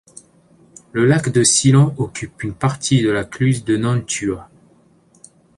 Le lac de Sylans occupe une partie de la cluse de Nantua.